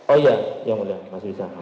oh iya yang mulia masih sama